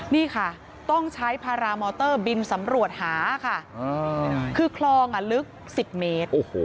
นี่ค่ะต้องใช้พารามอเตอร์บินสำรวจหาค่ะคือคลองลึก๑๐เมตร